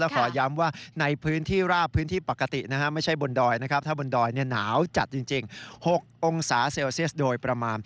ขอย้ำว่าในพื้นที่ราบพื้นที่ปกตินะฮะไม่ใช่บนดอยนะครับถ้าบนดอยหนาวจัดจริง๖องศาเซลเซียสโดยประมาณ